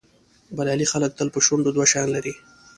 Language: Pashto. بریالي خلک تل په شونډو دوه شیان لري.